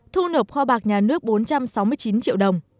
thu nộp kho bạc nhà nước bốn trăm sáu mươi chín triệu đồng